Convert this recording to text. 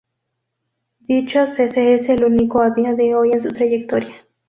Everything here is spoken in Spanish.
Dicho cese es el único a día de hoy en su trayectoria.